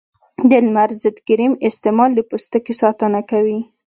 د لمر ضد کریم استعمال د پوستکي ساتنه کوي.